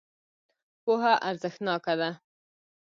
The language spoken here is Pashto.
پوهه ارزښتناکه ده.